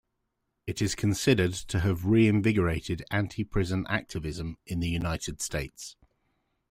It is considered to have re-invigorated anti-prison activism in the United States.